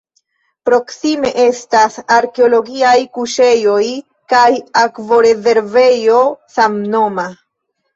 Proksime estas arkeologiaj kuŝejoj kaj akvorezervejo samnoma.